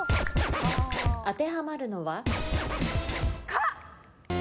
当てはまるのは？か！